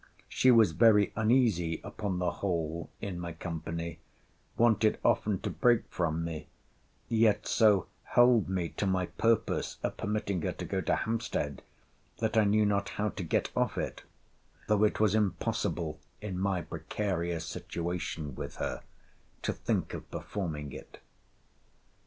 She was very uneasy, upon the whole, in my company: wanted often to break from me: yet so held me to my purpose of permitting her to go to Hampstead, that I knew not how to get off it; although it was impossible, in my precarious situation with her, to think of performing it.